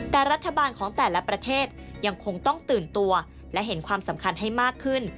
แต่รัฐบาลของแต่ละประเทศยังคงต้องตื่นตัวและเห็นความสำคัญให้มากขึ้น